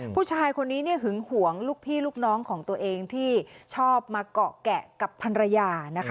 ผู้ชายคนนี้หึงหวงลูกพี่ลูกน้องของตัวเองที่ชอบมาเกาะแกะกับภรรยานะคะ